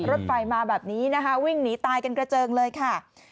รถไฟมาแบบนี้นะคะวิ่งหนีตายกันกระเจิงเลยค่ะ